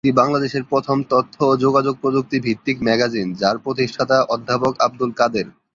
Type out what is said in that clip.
এটি বাংলাদেশের প্রথম তথ্য ও যোগাযোগ প্রযুক্তি ভিত্তিক ম্যাগাজিন যার প্রতিষ্ঠাতা অধ্যাপক আব্দুল কাদের।